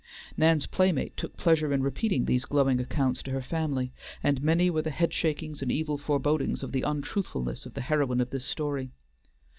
Nan's playmate took pleasure in repeating these glowing accounts to her family, and many were the head shakings and evil forebodings over the untruthfulness of the heroine of this story.